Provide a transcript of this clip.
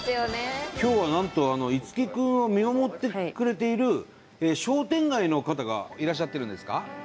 今日はなんと樹くんを見守ってくれている商店街の方がいらっしゃってるんですか？